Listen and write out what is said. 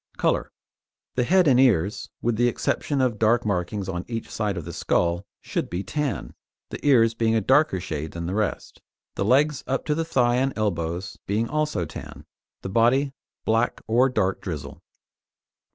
COLOUR The head and ears, with the exception of dark markings on each side of the skull, should be tan, the ears being a darker shade than the rest, the legs up to the thigh and elbows being also tan, the body black or dark grizzle.